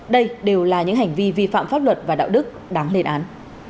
đây đều là những hành vi vi phạm pháp luật và đạo đức đáng lên án